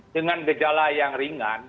dengan gejala yang ringan